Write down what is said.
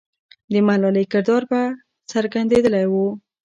د ملالۍ کردار به څرګندېدلی وو.